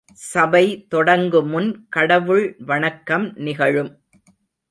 சபை தொடங்கு முன் கடவுள் வணக்கம் நிகழும்.